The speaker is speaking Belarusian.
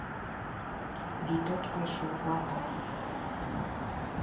Вітаўт пайшоў у атаку.